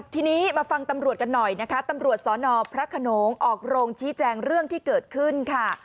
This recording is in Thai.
ทีนี้มาฟังตำรวจกันหน่อยนะคะตำรวจสนพระขนงออกโรงชี้แจงเรื่องที่เกิดขึ้นค่ะ